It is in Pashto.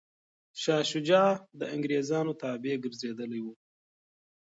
شاه شجاع د انګریز تابع ګرځېدلی و.